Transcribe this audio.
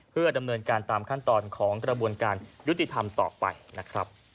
เพื่อดำเนินการตามขั้นตอนของกระบวนการยุติธรรมต่อไปนะครับ